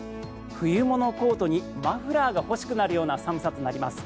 冬物コートにマフラーが欲しくなるような寒さになります。